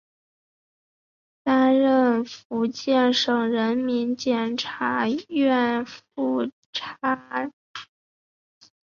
担任福建省人民检察院副检察长。